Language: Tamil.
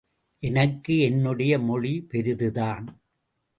எனக்கு என்னுடைய மொழி பெரிதுதான்.